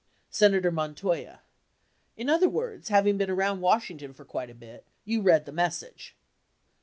Senator Montoya. In other words, having been around Washington for quite a bit, you read the message.